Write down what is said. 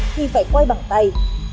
thì phải quay bằng tay